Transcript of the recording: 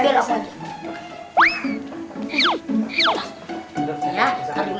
bela kok gitu